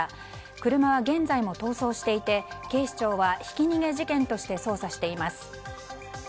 車は現在も逃走していて警視庁はひき逃げ事件として捜査しています。